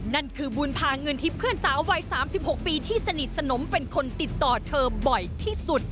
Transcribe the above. นั่นคือบุญพาเงินทิพย์เพื่อนสาววัย๓๖ปีที่สนิทสนมเป็นคนติดต่อเธอบ่อยที่สุด